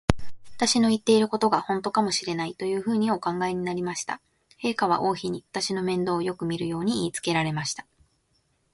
私たちの言ってることが、ほんとかもしれない、というふうにお考えになりました。陛下は王妃に、私の面倒をよくみるように言いつけられました。